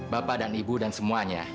bapak dan ibu dan semuanya